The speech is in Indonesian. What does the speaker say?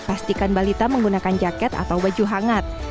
pastikan balita menggunakan jaket atau baju hangat